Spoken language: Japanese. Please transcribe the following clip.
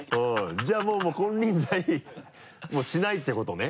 じゃあもう金輪際しないってことね？